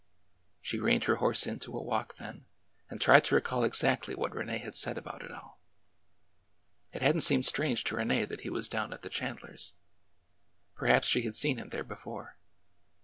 She reined her horse in to a walk then and tried to re call exactly what Rene had said about it all. It had n't seemed strange to Rene that he was down at the Chand lers'. Perhaps she had seen him there before.